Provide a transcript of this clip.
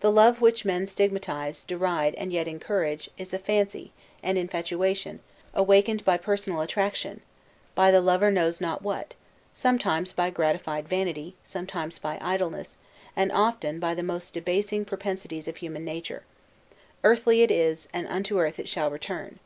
The love which men stigmatize, deride, and yet encourage, is a fancy, an infatuation, awakened by personal attraction, by the lover knows not what, sometimes by gratified vanity, sometimes by idleness, and often by the most debasing propensities of human nature. Earthly it is, and unto earth it shall return!